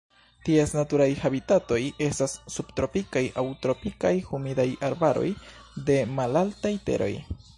Ties naturaj habitatoj estas subtropikaj aŭ tropikaj humidaj arbaroj de malaltaj teroj.